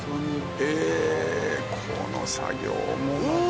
えこの作業もまた。